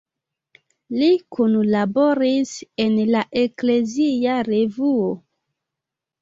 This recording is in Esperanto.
Li kunlaboris en la Eklezia Revuo.